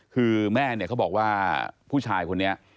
คือแม่เนี่ยเขาบอกว่าผู้ชายคนนี้